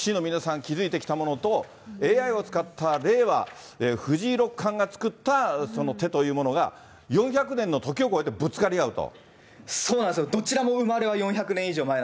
だからもう延々と棋士の皆さん、築いてきたものと、ＡＩを使った、令和、藤井六冠が作った手というものが、４００年の時を超えてぶつかり合うと。